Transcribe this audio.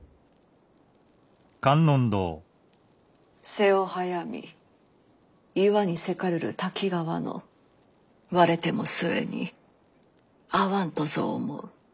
瀬をはやみ岩にせかるる瀧川のわれても末に逢はむとぞ思ふ。